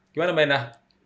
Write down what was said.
gimana mbak indah